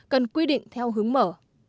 cần quy định theo hướng mở